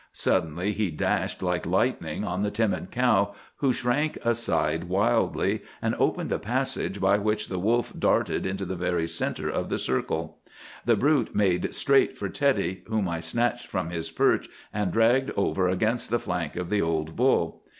Suddenly he dashed like lightning on the timid cow, who shrank aside wildly, and opened a passage by which the wolf darted into the very centre of the circle. The brute made straight for Teddy, whom I snatched from his perch and dragged over against the flank of the old bull.